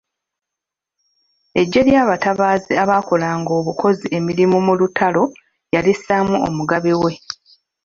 Eggye ly'abatabaazi abaakolanga obukozi emirimu mu lutalo yalisšaamu Omugabe we.